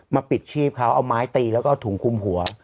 ปิดชีพเขาเอาไม้ตีแล้วก็ถุงคุมหัว